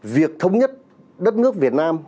việc thống nhất đất nước việt nam